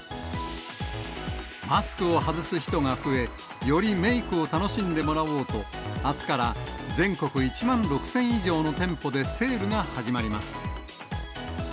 マスクを外す人が増え、よりメークを楽しんでもらおうと、あすから全国１万６０００以上の店舗でセールが始まります。